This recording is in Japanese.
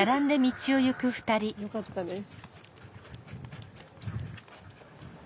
よかったです。